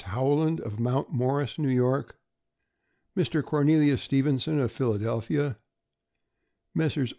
Howland, of Mount Morris, N. Y. ; Mr. Cornelius Stevenson, of Philadelphia; Messrs.